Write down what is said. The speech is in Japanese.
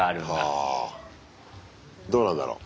はあどうなんだろう。